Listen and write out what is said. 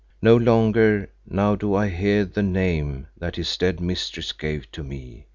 No longer now do I hear the name that his dead mistress gave to me.